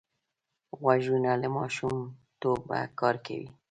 غوږونه له ماشومتوبه کار کوي